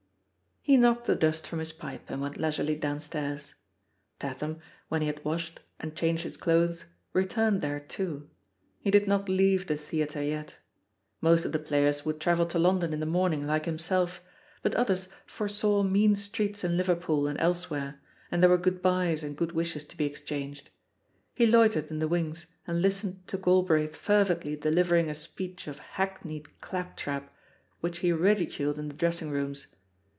He knocked the dust from his pipe, and went leisiffely downstairs. Tatham, when he had washed, and changed his clothes, returned there too. He did not leave the theatre yet. Most of the players would travel to London in the morn ing, like himself, but others foresaw mean streets in Liverpool and elsewhere, and there were good byes and good wishes to be exchanged. He loitered in the wings and listened to Galbraith fervidly delivering a speech of hackneyed dap 10 THE POSITION OP PEGGY HARPER trap which he ridiculed in the dressing rooms.